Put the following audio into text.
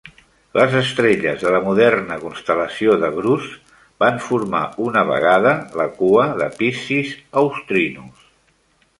Les estrelles de la moderna constel·lació de Grus van formar una vegada la "cua" de Piscis Austrinus.